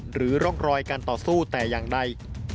หรือร่องรอยการต่อสู้แต่อย่างใด